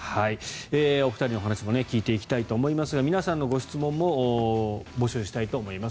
お二人の話も聞いていきたいと思いますが皆さんのご質問も募集したいと思います。